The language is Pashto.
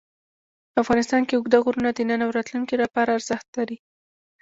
افغانستان کې اوږده غرونه د نن او راتلونکي لپاره ارزښت لري.